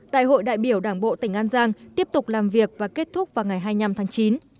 đại hội đại biểu đảng bộ tỉnh an giang tiếp tục làm việc và kết thúc vào ngày hai mươi năm tháng chín